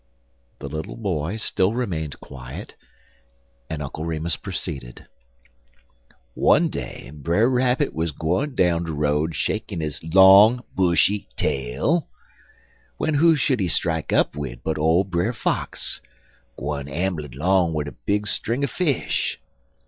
The little boy still remained quiet, and Uncle Remus proceeded: "One day Brer Rabbit wuz gwine down de road shakin' his long, bushy tail, w'en who should he strike up wid but ole Brer Fox gwine amblin' long wid a big string er fish!